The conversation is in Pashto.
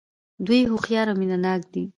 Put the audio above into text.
دوی هوښیار او مینه ناک دي.